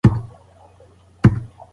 ایا ته کله د شپې له خوا د ستورو ننداره کوې؟